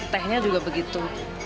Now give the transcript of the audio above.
tehnya juga begitu